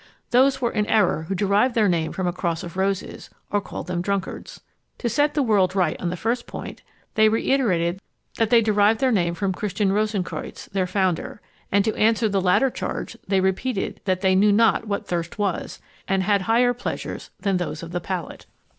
Those were in error who derived their name from a cross of roses, or called them drunkards. To set the world right on the first point, they reiterated that they derived their name from Christian Rosencreutz, their founder; and to answer the latter charge, they repeated that they knew not what thirst was, and had higher pleasures than those of the palate.